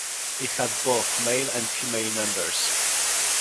It had both male and female members.